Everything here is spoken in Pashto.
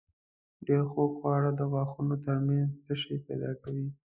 ډېر خوږ خواړه د غاښونو تر منځ تشې پیدا کوي.